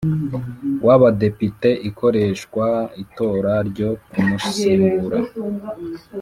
w Abadepite ikoresha itora ryo kumusimbura